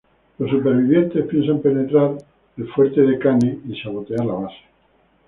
Los sobrevivientes piensan penetrar el fuerte de Kane y sabotear la base.